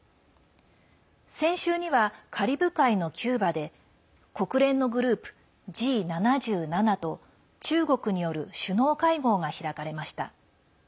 先週には、カリブ海のキューバで国連のグループＧ７７と中国による首脳会合が開かれました。